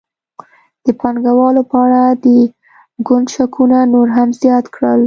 د پانګوالو په اړه د ګوند شکونه نور هم زیات کړل.